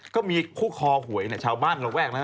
ก็มีคู่คอหวยชาวบ้านระแวกนะฮะ